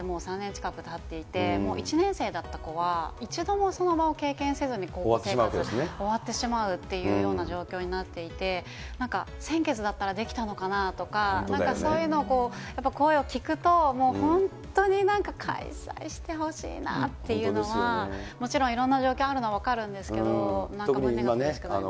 今コロナが始まって３年近くたっていて、１年生だった子は、一度もその場を経験せずに終わってしまうというような状況になっていて、先月だったらできたのかなとか、なんかそういうのを、やっぱり声を聞くと、本当になんか開催してほしいなっていうのは、もちろんいろんな状況あるのは分かるんですけど、なんか胸が苦しくなります。